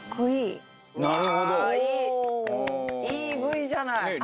いいＶじゃない。